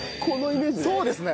そうですね。